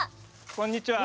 こんにちは！